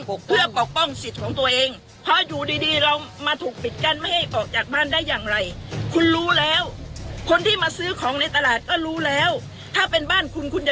ก็รู้แล้วถ้าเป็นบ้านคุณคุณจะจะทำอย่างงี้เหรอ